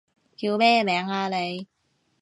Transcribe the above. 叫咩名啊你？